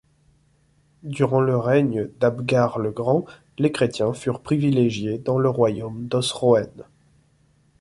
Durant le règne d'Abgar le Grand, les chrétiens furent privilégiés dans le royaume d'Osroène.